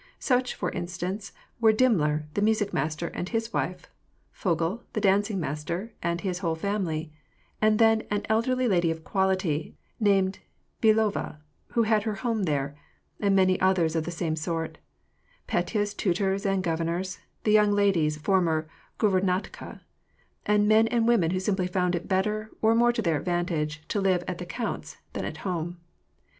Such, for instance, were Dimmler, the music master, and his wife; Vogel, the dancing master, and his whole family ; then, an elderly lady of quality,* named Bielova, who had her home there ; and many others of the same sort : Petya's tutors and governors, the young ladies' former " guvemantka," and men and women who simply found it better, or more to their advantage, to live at the count's than at home.